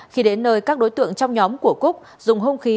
khi đến nơi các đối tượng trong nhóm của cúc dùng hung khí